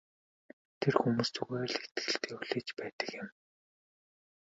Тэр хүмүүс зүгээр л итгэлтэй хүлээж байдаг юм.